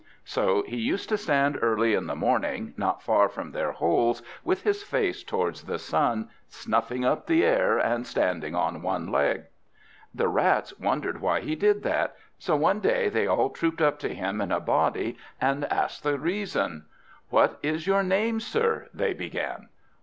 So he used to stand early in the morning, not far from their holes, with his face towards the sun, snuffing up the air, and standing on one leg. The Rats wondered why he did that, so one day they all trooped up to him in a body, and asked the reason. "What is your name, sir?" they began.